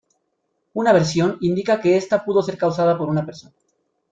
Una versión indica que esta pudo ser causada por una persona.